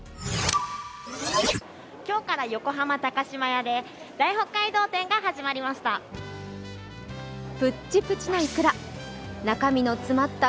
今日から横浜高島屋で大北海道展が始まりました。